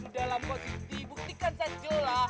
dalam posisi buktikan saya gelap